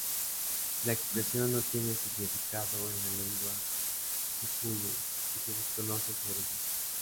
La expresión no tiene significado en la lengua kikuyu y se desconoce su origen.